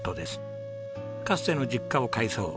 かつての実家を改装。